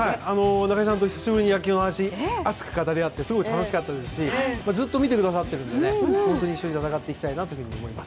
中居さんと久しぶりに野球の話熱く語って、非常に楽しかったですしずっと見てくださっているので一緒に戦っていきたいと思います。